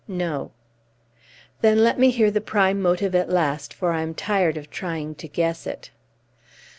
"No." "Then let me hear the prime motive at last, for I am tired of trying to guess it!"